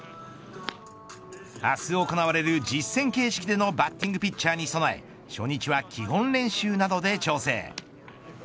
明日行われる実戦形式でのバッティングピッチャーに備え初日は基本練習などで調整。